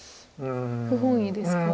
不本意ですか？